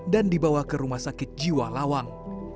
dan dibawa ke rumah sakit jiwa lawang